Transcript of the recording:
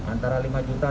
antara lima juta